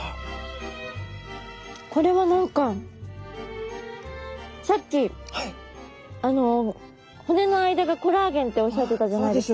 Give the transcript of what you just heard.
これは何かさっきあの骨の間がコラーゲンっておっしゃってたじゃないですか。